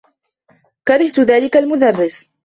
كرهت ذلك المدرّس.